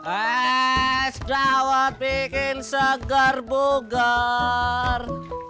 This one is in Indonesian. es dawet bikin segar bugar